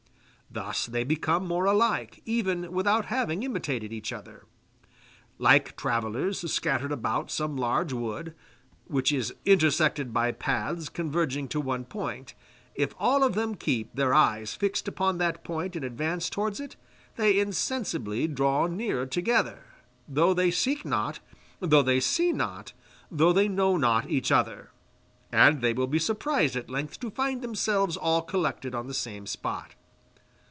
Thus they become more alike, even without having imitated each other. Like travellers scattered about some large wood, which is intersected by paths converging to one point, if all of them keep, their eyes fixed upon that point and advance towards it, they insensibly draw nearer together though they seek not, though they see not, though they know not each other; and they will be surprised at length to find themselves all collected on the same spot.